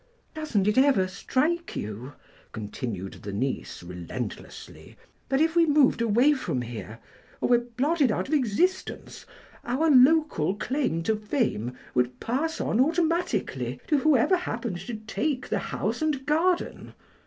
"Doesn't it ever strike you," continued the niece relentlessly, "that if we moved away from here or were blotted out of existence our local claim to fame would pass on automatically to whoever happened to take the house and garden?